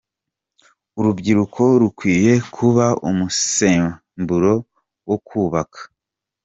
Urubyiruko rukwiye kuba umusemburo wo kubaka.